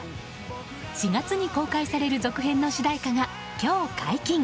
４月に公開される続編の主題歌が今日、解禁。